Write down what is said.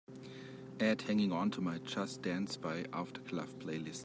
Add Hanging On to my just dance by aftercluv playlist.